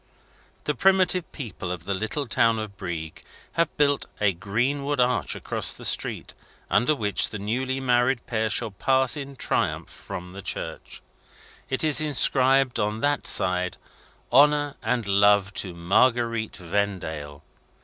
The primitive people of the little town of Brieg have built a greenwood arch across the street, under which the newly married pair shall pass in triumph from the church. It is inscribed, on that side, "HONOUR AND LOVE TO MARGUERITE VENDALE!"